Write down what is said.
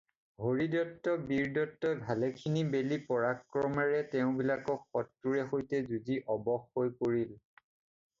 হৰদত্ত বীৰদত্তই ভালেখিনি বেলি পৰাক্ৰমেৰে তেওঁবিলাকৰ শত্ৰুৰে সৈতে যুঁজি অৱশ হৈ পৰিল।